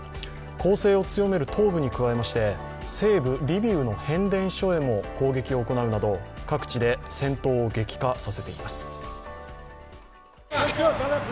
攻勢を強める東部に加えまして西部リビウの変電所へも攻撃を行うなど、各地で戦闘を激化させています。